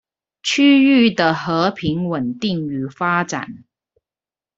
區域的和平穩定與發展